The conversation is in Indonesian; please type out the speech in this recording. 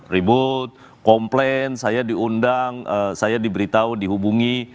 ribut komplain saya diundang saya diberitahu dihubungi